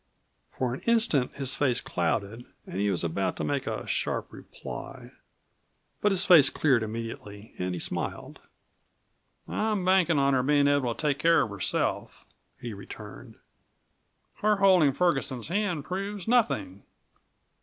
For an instant his face clouded and he was about to make a sharp reply. But his face cleared immediately and he smiled. "I'm banking on her being able to take care of herself," he returned. "Her holding Ferguson's hand proves nothing.